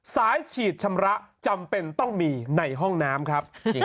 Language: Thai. สายฉีดชมระจำเป็นต้องมีในห้องน้ำ